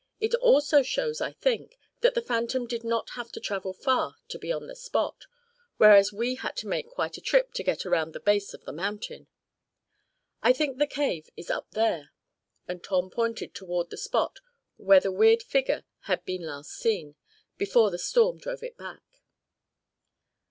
It also shows, I think, that the phantom did not have to travel far to be on the spot, whereas we had to make quite a trip to get around the base of the mountain. I think the cave is up there," and Tom pointed toward the spot where the weird figure had been last seen, before the storm drove it back.